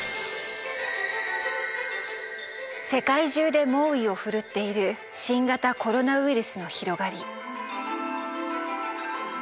世界中で猛威をふるっている新型コロナウイルスの広がり。